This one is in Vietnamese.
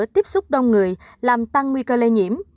tiếp xúc đông người làm tăng nguy cơ lây nhiễm